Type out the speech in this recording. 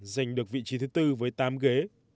giành được vị trí thứ tư với tám ghế